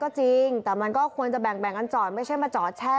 ก็จริงแต่มันก็ควรจะแบ่งกันจอดไม่ใช่มาจอดแช่